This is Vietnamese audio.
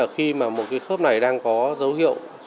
khi một khớp này đang có dấu hiệu